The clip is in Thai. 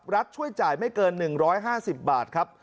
ช่วยจ่ายไม่เกิน๑๕๐บาทครับ